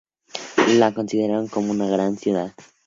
La consideraron como una gran ciudad.